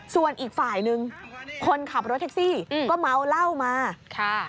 ส่วนอีกฝ่ายนึงคนขับรถแท็กซี่ก็เมาเหล้ามาค่ะ